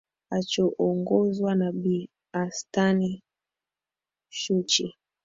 achoongozwa na bi anstan shuchi